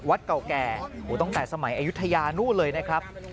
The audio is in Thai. เก่าแก่ตั้งแต่สมัยอายุทยานู่นเลยนะครับ